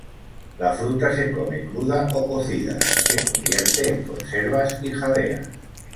La fruta se come cruda o cocida y se convierte en conservas y jaleas.